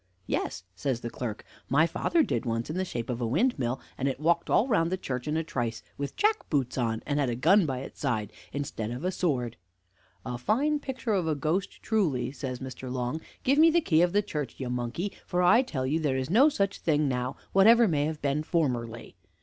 "Yes," says the clerk, "my father did once in the shape of a windmill, and it walked all around the church in a trice, with jack boots on, and had a gun by its side, instead of a sword." "A fine picture of a ghost, truly," says Mr. Long; "give me the key of the church, you monkey, for I tell you there is no such thing now, whatever may have been formerly."